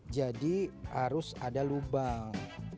jadi harus ada lubang